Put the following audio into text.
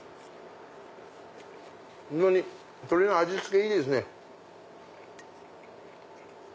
非常に鶏の味付けいいですね。